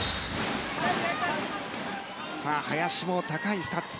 林も高いスタッツ